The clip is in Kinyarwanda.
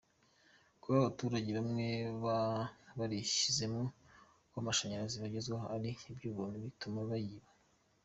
Kuba abaturage bamwe barishyizemo ko amashanyarazi bagezwaho ari ay’ubuntu bituma bayiba.